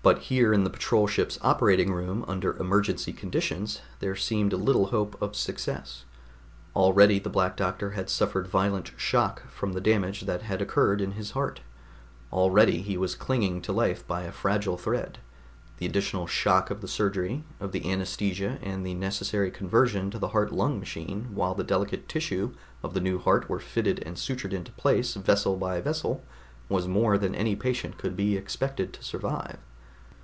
But here in the patrol ship's operating room under emergency conditions there seemed little hope of success. Already the Black Doctor had suffered violent shock from the damage that had occurred in his heart. Already he was clinging to life by a fragile thread; the additional shock of the surgery, of the anaesthesia and the necessary conversion to the heart lung machine while the delicate tissues of the new heart were fitted and sutured into place vessel by vessel was more than any patient could be expected to survive.